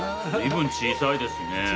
随分小さいですね。